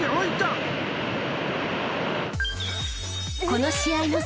［この試合の］